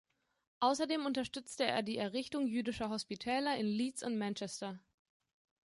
Außerdem unterstützte er die Errichtung jüdischer Hospitäler in Leeds und Manchester.